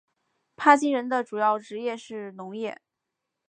帕基人的主要职业是农业。